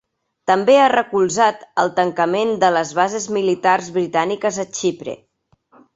També ha recolzat el tancament de les bases militars britàniques a Xipre.